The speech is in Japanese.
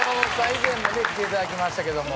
以前もね来ていただきましたけども。